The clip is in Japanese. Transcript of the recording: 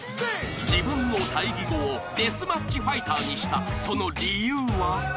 ［自分の対義語をデスマッチファイターにしたその理由は？］